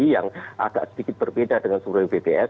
yang agak sedikit berbeda dengan survei wbts